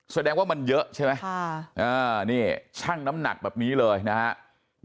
แสดงว่ามันเยอะใช่ไหมนี่ชั่งน้ำหนักแบบนี้เลยนะครับ